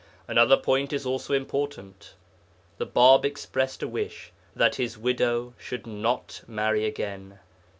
Another point is also important. The Bāb expressed a wish that his widow should not marry again.